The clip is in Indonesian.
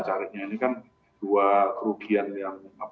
seharusnya ini kan dua kerugian yang